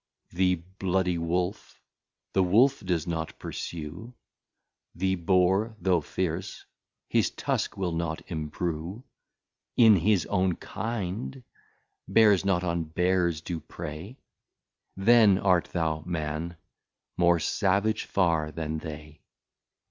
The bloody Wolf, the Wolf does not pursue; The Boar, though fierce, his Tusk will not embrue In his own Kind, Bares, not on Bares do prey: Then art thou, Man, more savage far than they.